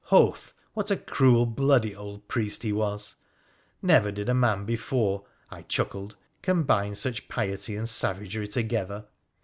Hoth ! what a cruel, bloody old priest he was !— never did a man before, I chuckled, combine such piety and savagery together.